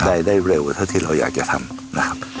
ได้เร็วเท่าที่เราอยากจะทำนะครับ